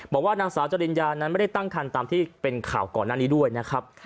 บอกว่านางสาวจริญญานั้นไม่ได้ตั้งคันตามที่เป็นข่าวก่อนหน้านี้ด้วยนะครับ